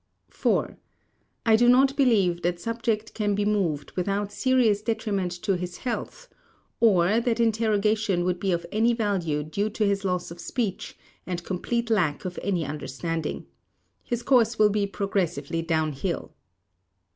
4. I do not believe that subject can be moved without serious detriment to his health or that interrogation would be of any value due to his loss of speech and complete lack of any understanding. His course will be progressively down hill.